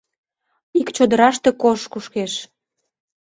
Ик чодыраште кож кушкеш